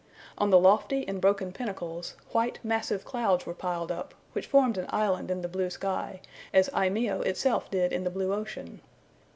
On the lofty and broken pinnacles, white massive clouds were piled up, which formed an island in the blue sky, as Eimeo itself did in the blue ocean.